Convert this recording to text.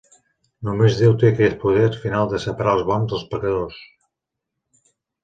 Només Déu té aquest poder final de separar els bons dels pecadors.